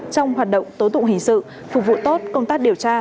trong hoạt động tố tụng hình sự phục vụ tốt công tác điều tra